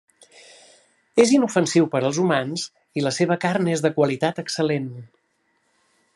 És inofensiu per als humans i la seua carn és de qualitat excel·lent.